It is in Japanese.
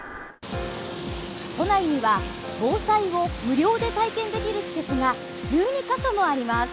都内には防災を無料で体験できる施設が１２か所もあります。